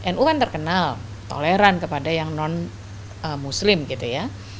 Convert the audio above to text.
nu kan terkenal toleran kepada yang non muslim gitu ya